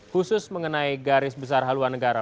khusus mengenai garis besar haluan negara